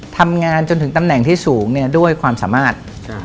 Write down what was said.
ทำงานจนถึงตำแหน่งที่สูงเนี่ยด้วยความสามารถ